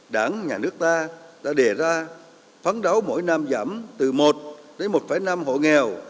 đảng nhà nước ta đã đề ra phán đấu mỗi năm giảm từ một đến một năm hộ nghèo